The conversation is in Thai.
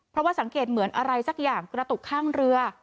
เพราะว่าสังเกตเหมือนอะไรสักอย่างกระตุกข้างเรือ